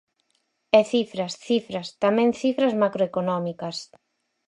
E cifras, cifras, tamén cifras macroeconómicas.